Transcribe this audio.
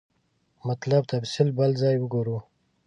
مطلب تفصیل بل ځای وګورو.